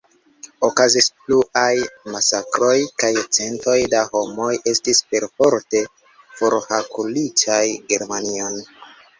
Okazis pluaj masakroj kaj centoj da homoj estis perforte forhaŭlitaj Germanion.